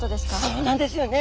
そうなんですよね。